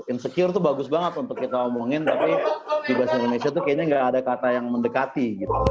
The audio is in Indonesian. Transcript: insecure tuh bagus banget untuk kita omongin tapi di bahasa indonesia tuh kayaknya gak ada kata yang mendekati